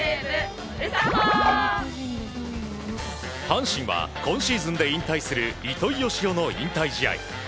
阪神は今シーズンで引退する糸井嘉男の引退試合。